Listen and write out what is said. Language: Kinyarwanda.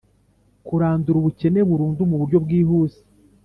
Kurandura ubukene burundu mu buryo bwihuse